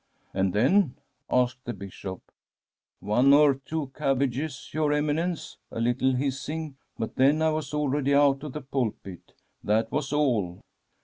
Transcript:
' And then ?' asked the Bishop. * One or two cabbages, your Eminence, a little hissing ; but then I was already out of the pulpit. That was all.'